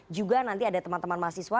juga nanti ada teman teman mahasiswa